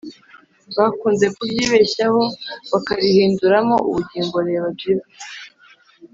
bakunze kuryibeshyaho bakarihinduramo ubugingo. reba jīva